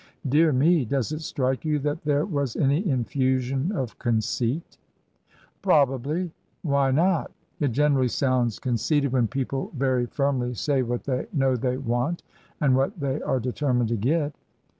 '• Dear me ! Does it strike you that there was any infusion of conceit ?"" Probably. Why not ? It generally sounds conceited when people very firmly say what they know they want and what they are determined to get."